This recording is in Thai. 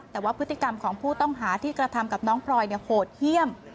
แต่ว่าพฤติกรรมของผู้ต้องหาที่กระทำกับน้องพลอยโหดเยี่ยม